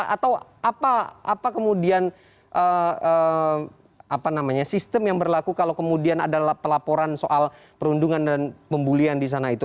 atau apa kemudian sistem yang berlaku kalau kemudian ada pelaporan soal perundungan dan pembulian di sana itu